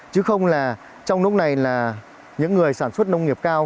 chứ không là trong lúc này là những người sản xuất nông nghiệp cao